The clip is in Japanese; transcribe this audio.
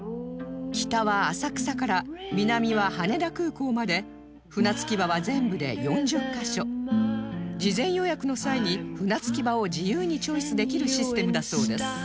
北は浅草から南は羽田空港まで船着き場は全部で４０カ所事前予約の際に船着き場を自由にチョイスできるシステムだそうです